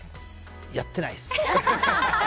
やってないです。